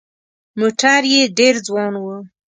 موټر یې ډېر ځوان و.